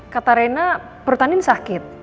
kata rena perut andien sakit